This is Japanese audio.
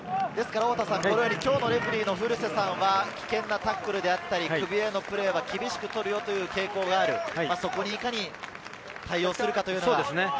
今日のレフェリーの古瀬さんは危険なタックルであったり、首へのプレーは厳しく取るよという傾向がある、そこにいかに対応するか。